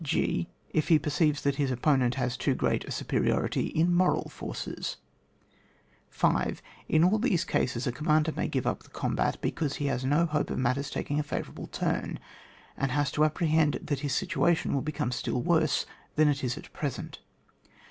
g. If he perceives that his oppo nent has too g^eat a supe riority in moral forces. 5. In aU these cases a commander may give up the combat, because he has no hope of matters taking a favourable turn, and has to apprehend that his sit uation will become stiU worse than it is at present.